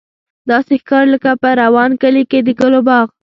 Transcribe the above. داسې ښکاري لکه په وران کلي کې د ګلو باغ.